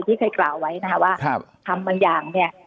ที่เคยกล่าวไว้นะคะว่าทำบางอย่างเนี่ย